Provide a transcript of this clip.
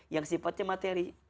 yang sifatnya materi